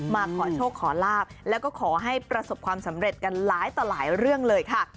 มาขอโชคขอลาบแล้วก็ขอให้ประสบความสำเร็จกันหลายต่อหลายเรื่องเลยค่ะ